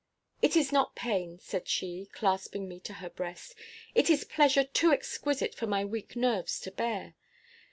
"It is not pain," said she, clasping me to her breast; "it is pleasure too exquisite for my weak nerves to bear.